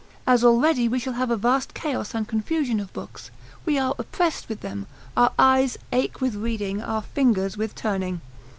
As already, we shall have a vast chaos and confusion of books, we are oppressed with them, our eyes ache with reading, our fingers with turning.